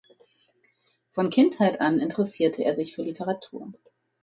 Von Kindheit an interessierte er sich für Literatur.